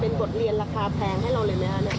เป็นบทเรียนราคาแพงให้เราเลยไหมคะ